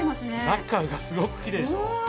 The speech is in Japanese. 中がすごくきれいでしょ？